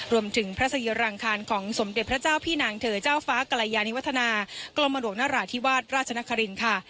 รวมถึงพระศรีรังคารของสมเด็จพระเจ้าพี่นางเธอเจ้าฟ้ากรยานิวัฒนากรมหลวงนราธิวาสราชนครินค่ะ